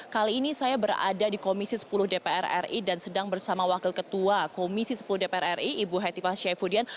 kali ini saya berada di komisi sepuluh dpr ri dan sedang bersama wakil ketua komisi sepuluh dpr ri ibu hetipa syaifudin